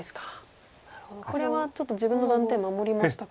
これはちょっと自分の断点守りましたか。